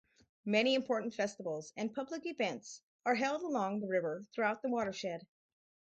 Many important festivals and public events are held along the river throughout the watershed.